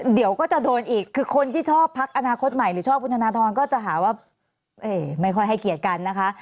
เดี๋ยวก็จะโดนอีกคือคนที่ชอบพักอนาคตใหม่หรือชอบคุณธนทรก็จะหาว่าไม่ค่อยให้เกียรติกันนะคะ